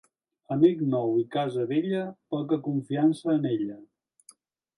Amic nou i casa vella, poca confiança en ella.